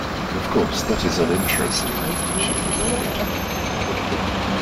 Of course, that is uninteresting, she continued.